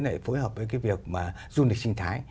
có thể phối hợp với cái việc mà du lịch sinh thái